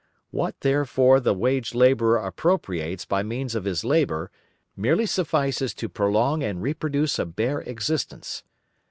What, therefore, the wage labourer appropriates by means of his labour, merely suffices to prolong and reproduce a bare existence.